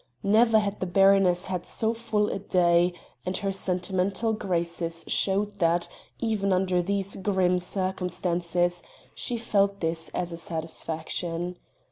Never had the baroness had so full a 'day' and her sentimental graces showed that, even under these grim circumstances, she felt this as a satisfaction.